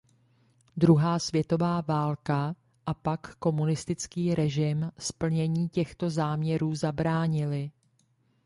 Druhá světová válka a pak komunistický režim splnění těchto záměrů zabránily.